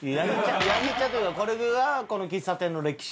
ヤニ茶というかこれがこの喫茶店の歴史。